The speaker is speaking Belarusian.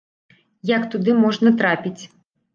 Як туды можна трапіць?